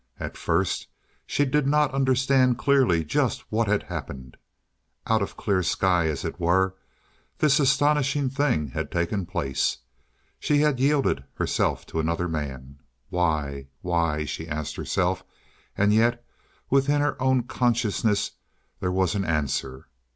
At first she did not understand clearly just what had happened. Out of clear sky, as it were, this astonishing thing had taken place. She had yielded herself to another man. Why? Why? she asked herself, and yet within her own consciousness there was an answer.